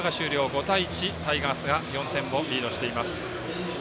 ５対１タイガースが４点をリードしています。